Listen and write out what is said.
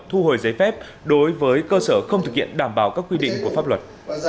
thu hồi giấy phép đối với cơ sở không thực hiện đảm bảo các quy định của pháp luật